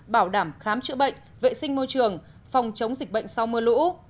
bảo đảm khám chữa bệnh vệ sinh môi trường phòng chống dịch bệnh sau mưa lũ